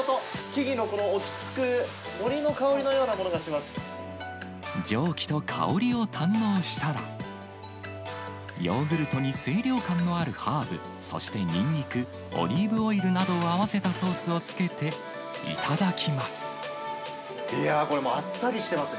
木々のこの落ち着く、蒸気と香りを堪能したら、ヨーグルトに清涼感のあるハーブ、そしてニンニク、オリーブオイルなどを合わせたソースをつけて頂きます。